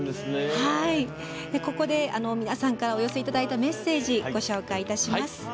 ここで、皆さんからお寄せいただいたメッセージをご紹介いたします。